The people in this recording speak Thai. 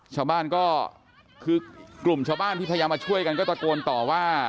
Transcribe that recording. ชาวบ้านก็คือกลุ่มชาวบ้านที่พยายามมาช่วยกันก็ตะโกนต่อว่า